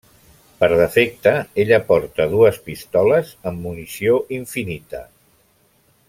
Per defecte ella porta dues pistoles amb munició infinita.